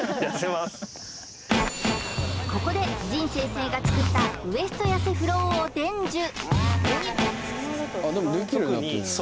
ここで甚先生が作ったウエスト痩せフローを伝授